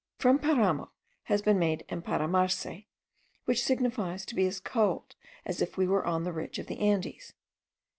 From paramo has been made emparamarse, which signifies to be as cold as if we were on the ridge of the Andes.)